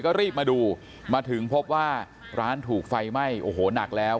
ก็รีบมาดูมาถึงพบว่าร้านถูกไฟไหม้โอ้โหหนักแล้ว